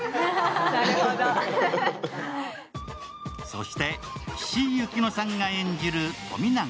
そして、岸井ゆきのさんが演じる富永